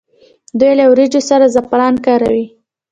دوی له وریجو سره زعفران کاروي.